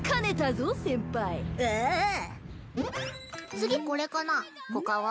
次これかな。他は？